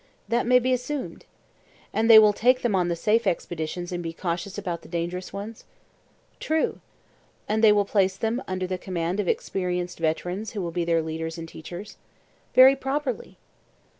That may be assumed. And they will take them on the safe expeditions and be cautious about the dangerous ones? True. And they will place them under the command of experienced veterans who will be their leaders and teachers? Very properly.